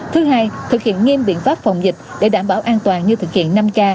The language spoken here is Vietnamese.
thứ hai thực hiện nghiêm biện pháp phòng dịch để đảm bảo an toàn như thực hiện năm k